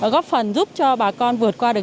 góp phần giúp cho bà con vượt qua được